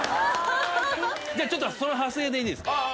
じゃあちょっとその派生でいいですか？